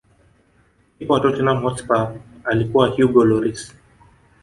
kipa wa tottenham hotspur alikuwa hugo loris